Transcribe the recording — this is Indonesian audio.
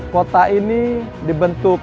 kota ini dibentuk